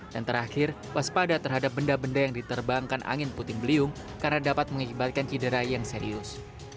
yang terakhir waspada terhadap benda benda yang diterbangkan angin puting beliung karena dapat mengibatkan cedera yang serius